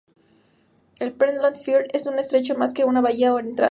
El Pentland Firth es un estrecho más que una bahía o entrante.